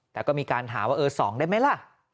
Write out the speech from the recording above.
แต่ก็มีการถามว่าเออ๒ได้ไหมล่ะ